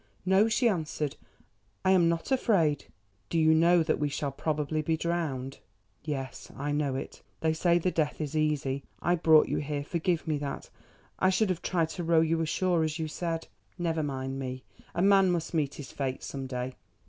"No," she answered, "I am not afraid." "Do you know that we shall probably be drowned?" "Yes, I know it. They say the death is easy. I brought you here. Forgive me that. I should have tried to row you ashore as you said." "Never mind me; a man must meet his fate some day.